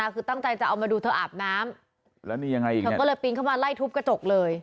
เขาก็เลยปิ๊งเข้ามาไล่ทุบกระจกเลย